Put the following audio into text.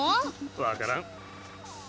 わからん。